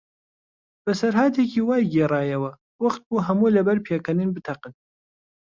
بەسەرهاتێکی وای گێڕایەوە، وەختبوو هەموو لەبەر پێکەنین بتەقن.